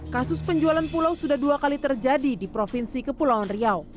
kasus penjualan pulau sudah dua kali terjadi di provinsi kepulauan riau